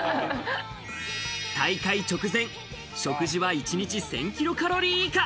大会直前、食事は一日１０００キロカロリー以下。